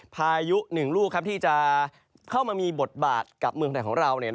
พายุหนึ่งลูกที่จะเข้ามามีบทบาทกับเมืองไทยของเรา